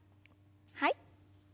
はい。